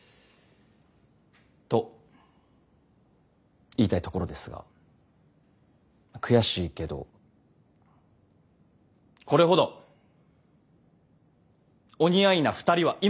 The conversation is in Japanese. と言いたいところですが悔しいけどこれほどお似合いな二人はいません！